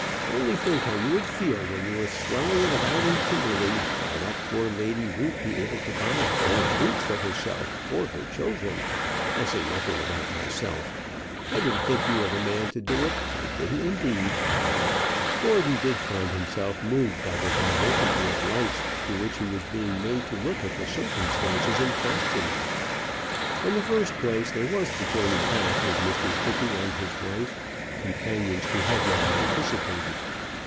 Only think how you would feel when you were swelling it about in Kimberley, while that poor lady won't be able to buy a pair of boots for herself or her children. I say nothing about myself. I didn't think you were the man to do it; I didn't indeed." Gordon did find himself moved by the diversity of lights through which he was made to look at the circumstances in question. In the first place, there was the journey back with Mr Tookey and his wife, companions he had not anticipated.